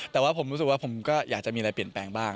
แต่ว่าผมรู้สึกว่าผมก็อยากจะมีอะไรเปลี่ยนแปลงบ้าง